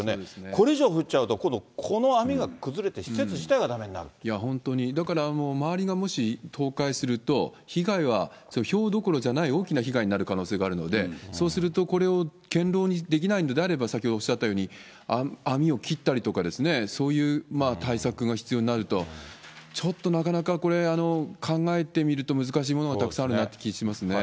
これ以上降っちゃうと、今度、この網が崩れて、本当に、だから、周りがもし倒壊すると、被害はひょうどころじゃない、大きな被害になる可能性があるので、そうすると、これを堅ろうにできないのであれば、先ほどおっしゃったように、網を切ったりとか、そういう対策が必要になると、ちょっとなかなかこれ、考えてみると難しいものがたくさんあるなという気がしますね。